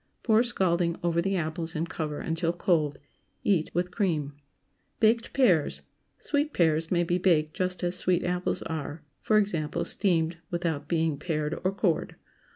Pour scalding over the apples, and cover until cold. Eat with cream. BAKED PEARS. Sweet pears may be baked just as sweet apples are—i. e., steamed without being pared or cored.